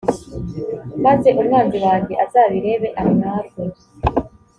maze umwanzi wanjye azabirebe amwarwe